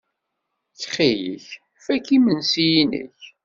Ttxil-k, fak imensi-nnek.